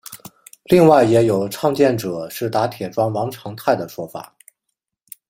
另外也有倡建者是打铁庄王长泰的说法。